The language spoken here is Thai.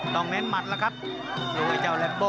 ต้องเน้นมัดแล้วครับลูกไอ้เจ้าแรมโบ